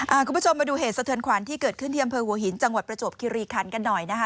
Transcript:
อ่าคุณผู้ชมมาดูเหตุสะเทินขวานที่เกิดขึ้นเทียมเผลอหินจังหวัดประจบคิริคันกันหน่อยนะคะ